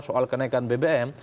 soal kenaikan bbm